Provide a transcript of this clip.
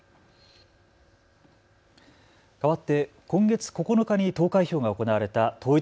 かわって今月９日に投開票が行われた統一